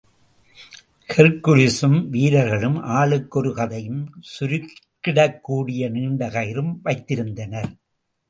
ஹெர்க்குலிஸும் வீரர்களும் ஆளுக்கு ஒரு கதையும், சுருக்கிடக் கூடிய நீண்ட கயிறும் வைத்திருந்தனர்.